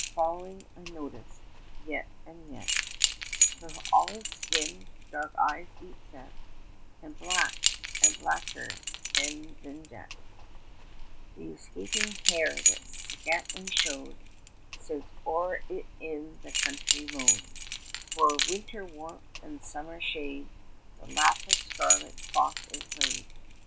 20 Following I notice, yet and yet, Her olive skin, dark eyes deep set, And black, and blacker e'en than jet, The escaping hair that scantly showed, Since o'er it in the country mode, 25 For winter warmth and summer shade, The lap of scarlet cloth is laid.